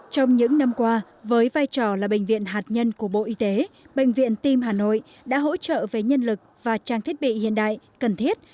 trong những năm qua với vai trò là bệnh viện hạt nhân của bộ y tế bệnh viện tim hà nội đã hỗ trợ về nhân lực và trang thiết bị hiện đại cần thiết